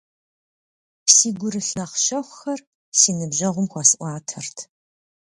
Си гурылъ нэхъ щэхухэр си ныбжьэгъум хуэсӏуатэрт.